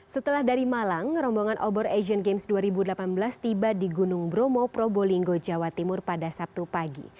setelah dari malang rombongan obor asian games dua ribu delapan belas tiba di gunung bromo probolinggo jawa timur pada sabtu pagi